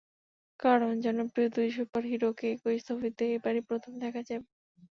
কারণ, জনপ্রিয় দুই সুপার হিরোকে একই ছবিতে এবারই প্রথম দেখা যাবে।